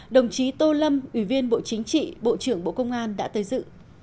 đồng chí tô lâm ủy viên bộ chính trị bộ trưởng bộ công an đã tới dự